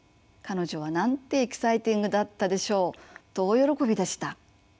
彼女は「なんてエキサイティングだったでしょう」と大喜びでした。